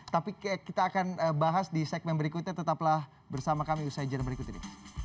tapi kita akan bahas di segmen berikutnya tetaplah bersama kami usai jerman berikut ini